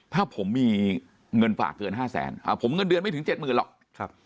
ถ้าผมมีเงินฝากเกิน๕แสนผมเงินเดือนไม่ถึงเจ็ดหมื่นหรอก